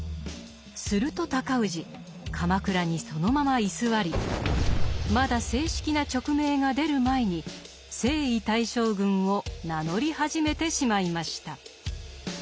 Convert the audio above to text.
すると尊氏鎌倉にそのまま居座りまだ正式な勅命が出る前に征夷大将軍を名乗り始めてしまいました。